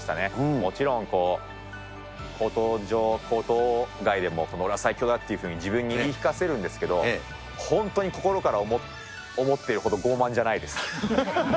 もちろん、コート上、コート外でもオレは最強だっていうふうに自分に言い聞かせるんですけど、本当に心から思ってるほど傲慢じゃないです。